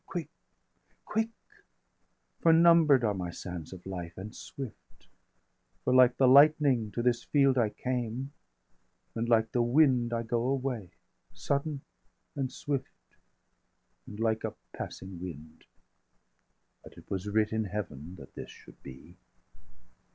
_ 720 Quick! quick! for number'd are my sands of life, And swift; for like the lightning to this field I came, and like the wind I go away Sudden, and swift, and like a passing wind.° °724 But it was writ in Heaven that this should be."